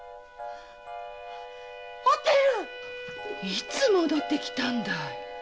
いつ戻ってきたんだい？